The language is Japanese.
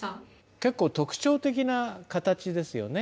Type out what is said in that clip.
結構特徴的な形ですよね